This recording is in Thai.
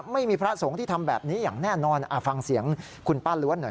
ไม่มีพระสงฆ์ที่ทำแบบนี้อย่างแน่นอนฟังเสียงคุณป้าล้วนหน่อย